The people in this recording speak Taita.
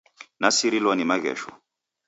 Nasirilwa ni maghesho